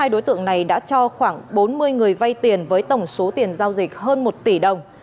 hai đối tượng này đã cho khoảng bốn mươi người vay tiền với tổng số tiền giao dịch hơn một tỷ đồng